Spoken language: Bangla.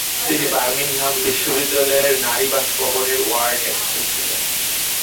তিনি বার্মিংহাম বিশ্ববিদ্যালয়ের নারী বাসভবনের ওয়ার্ডেন হয়েছিলেন।